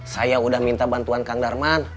saya udah minta bantuan kang darman